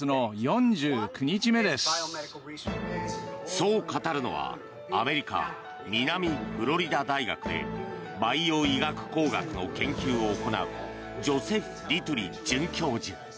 そう語るのはアメリカ・南フロリダ大学でバイオ医学工学の研究を行うジョセフ・ディトゥリ准教授。